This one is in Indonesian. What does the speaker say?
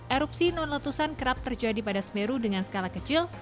erupsi non letusan kerap terjadi pada semeru dengan skala kecil